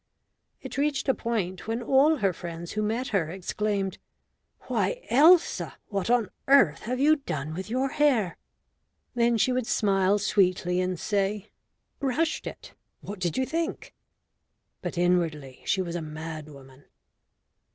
It reached a point when all her friends who met her exclaimed: "Why, Elsa, what on earth have you done with your hair?" Then she would smile sweetly and say: "Brushed it. What did you think?" But inwardly she was a mad woman.